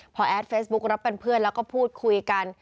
พอแอดเฟซบุ๊กรับเป็นเพื่อนแล้วก็พูดคุยกัน